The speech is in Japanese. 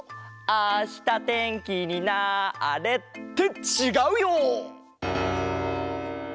あしたてんきになれ！ってちがうよ！